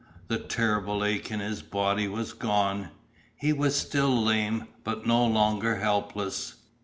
The terrible ache in his body was gone; he was still lame, but no longer helpless.